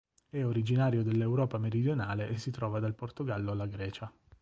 È originario dell'Europa meridionale e si trova dal Portogallo alla Grecia.